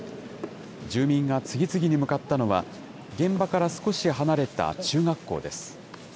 住民が次々に向かったのは、現場から少し離れた中学校です。